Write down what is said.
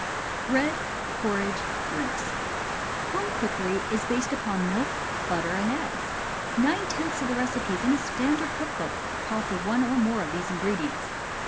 BREAD, PORRIDGE, DRINKS IJOME cookery is based upon milk, butter, and ^ggs: nine tenths of the recipes in a standard cook book call for one or more of these ingredients.